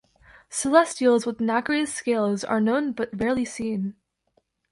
Celestials with nacreous scales are known but rarely seen.